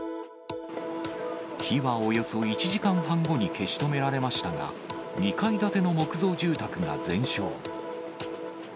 火はおよそ１時間半後に消し止められましたが、２階建ての木造住宅が全焼。